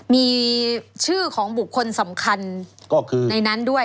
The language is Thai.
มีชื่อของบุคคลสำคัญก็คือในนั้นด้วย